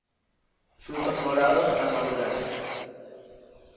Frutos morados al madurar.